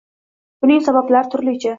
Buning sabablari turlicha.